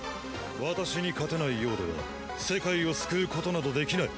私に勝てないようでは世界を救うことなどできない。